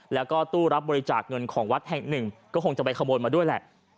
แล้วก็ตู้รับบริจาคเงินของวัดแห่งหนึ่งก็คงจะไปขโมยมาด้วยแหละ